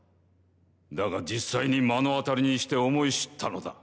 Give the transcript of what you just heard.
だが実際に目の当たりにして思い知ったのだ。